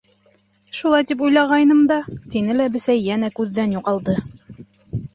—Шулай тип уйлағайным да, —тине лә Бесәй йәнә күҙҙән юғалды.